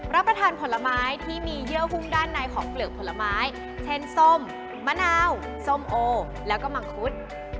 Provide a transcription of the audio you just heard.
รับประทานผลไม้ที่มีเยื่อหุ้มด้านในของเปลือกผลไม้เช่นส้มมะนาวส้มโอแล้วก็มังคุด